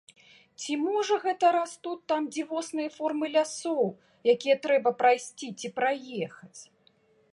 Ці можа гэта растуць там дзівосныя формы лясоў, якія трэба прайсці ці праехаць?